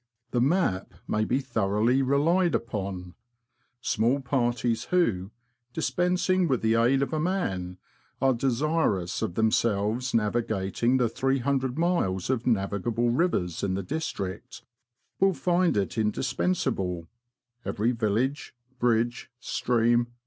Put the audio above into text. The Map may be thoroughly relied upon. Small parties who, dispensing with the aid of a man, are desirous of themselves navigating the 300 miles of navigable rivers in th^ district, will find it indispens able, every village, bridge, stream.